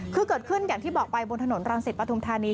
คือเกิดขึ้นอย่างที่บอกไปบนถนนรังสิตปฐุมธานี